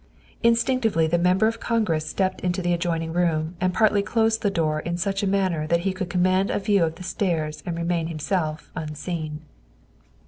Instinctively the Member of Congress stepped into the adjoining room and partly closed the door in such a manner that he could command a view of the stairs and remain himself unseen.